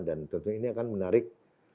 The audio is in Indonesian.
dan tentunya ini akan menarik